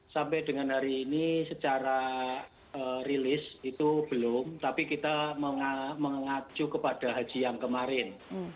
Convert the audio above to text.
sampai dengan hari ini secara rilis itu belum tapi kita mengacu kepada haji yang kemarin